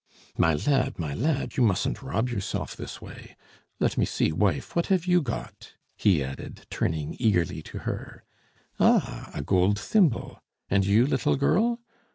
"My lad, my lad, you mustn't rob yourself this way! Let me see, wife, what have you got?" he added, turning eagerly to her. "Ah! a gold thimble. And you, little girl?